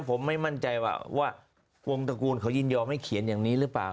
ผมไม่มั่นใจว่าวงตระกูลเขายินยอมให้เขียนอย่างนี้หรือเปล่า